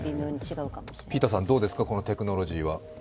ピーターさん、どうですかこのテクノロジーは。